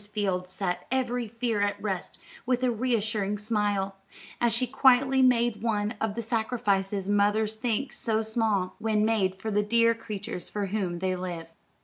Field set every fear at rest with a reassuring smile, as she quietly made one of the sacrifices mothers think so small, when made for the dear creatures for whom they live.